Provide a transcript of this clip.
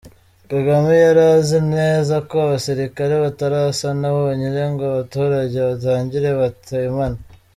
Kagame yari azi neza ko abasirikare batarasana bonyine ngo abaturage batangire batemane.